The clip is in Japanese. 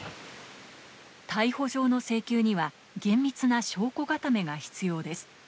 逮捕状の請求には厳密な証拠固めが必要です